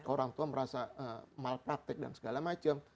orang tua merasa mal praktik dan segala macam